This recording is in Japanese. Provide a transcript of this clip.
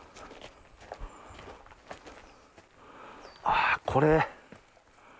あっこれ。